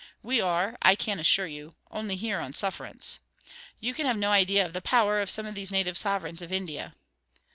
We are, I can assure you, only here on sufferance. You can have no idea of the power of some of these native sovereigns of India.